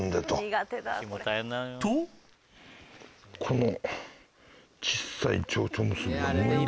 とこの。